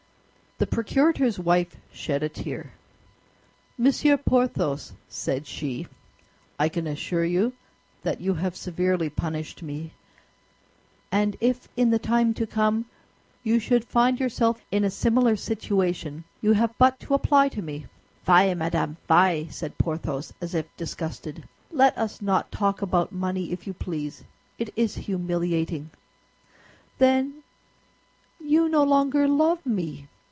The procurator's wife shed a tear. "Monsieur Porthos," said she, "I can assure you that you have severely punished me; and if in the time to come you should find yourself in a similar situation, you have but to apply to me." "Fie, madame, fie!" said Porthos, as if disgusted. "Let us not talk about money, if you please; it is humiliating." "Then you no longer love me!"